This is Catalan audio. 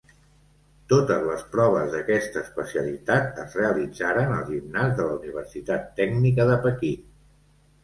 Totes les proves d'aquesta especialitat es realitzaren al Gimnàs de la Universitat Tècnica de Pequín.